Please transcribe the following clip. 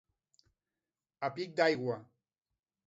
A pic d'aigua.